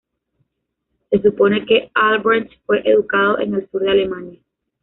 Se supone que Albrecht fue educado en el sur de Alemania.